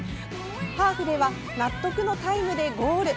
ハーフでは納得のタイムでゴール。